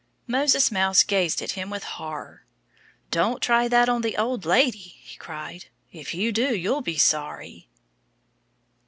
Moses Mouse gazed at him with horror. "Don't try that on the old lady!" he cried. "If you do, you'll be sorry."